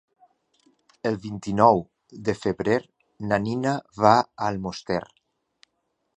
El vint-i-nou de febrer na Nina va a Almoster.